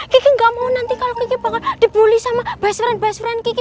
kiki gak mau nanti kalau kiki bakal dibully sama best friend best friend kiki